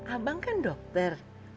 abang kan dokter